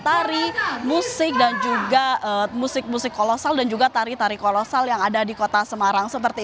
tari musik dan juga musik musik kolosal dan juga tari tari kolosal yang ada di kota semarang seperti